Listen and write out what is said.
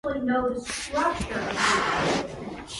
He currently works at the University of the South Pacific.